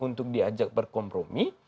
untuk diajak berkompromi